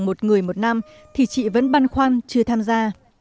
một người một năm thì chị vẫn băn khoăn chưa tham gia